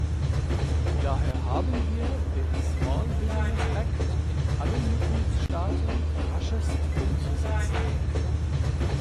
Daher haben wir den Small Business Act in allen Mitgliedstaaten raschest umzusetzen.